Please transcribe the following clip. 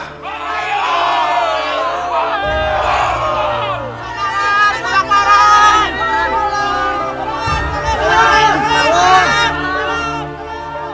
dalam beberapa masa